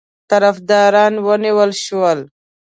طرفداران ونیول شول.